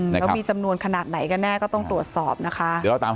แล้วมีจำนวนขนาดไหนกันแน่ก็ต้องตรวจสอบนะคะ